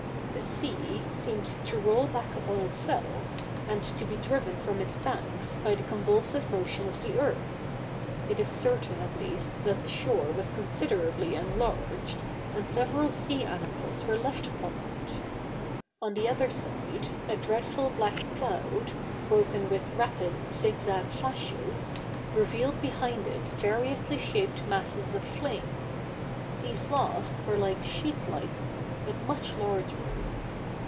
The sea seemed to roll back upon itself, and to be driven from its banks by the convulsive motion of the earth; it is certain at least that the shore was considerably enlarged, and several sea animals were left upon it. On the other side, a dreadful black cloud, broken with rapid, zigzag flashes, revealed behind it variously shaped masses of flame: these last were like sheet lightning, but much larger.